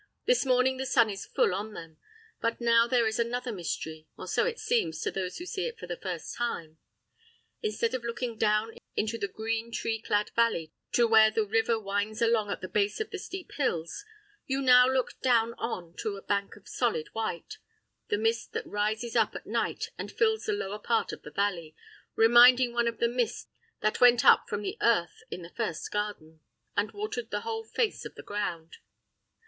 This morning the sun is full on them, but now there is another mystery—or so it seems to those who see it for the first time. Instead of looking down into the green tree clad valley to where the river winds along at the base of the steep hills, you now look down on to a bank of solid white—the mist that rises up at night and fills the lower part of the valley, reminding one of the mist that went up from the earth in the first Garden, "and watered the whole face of the ground."